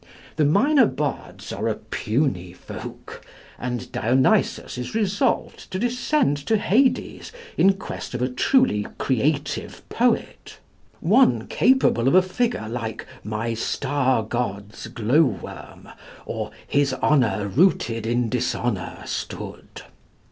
The minor bards are a puny folk, and Dionysus is resolved to descend to Hades in quest of a truly creative poet, one capable of a figure like "my star god's glow worm," or "His honor rooted in dishonor stood."